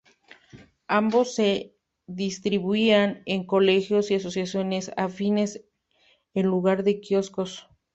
Ambos se distribuían en colegios y asociaciones afines en lugar de quioscos.